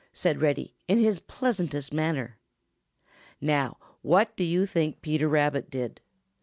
asked Reddy, in his pleasantest manner. Now, what do you think Peter Rabbit did?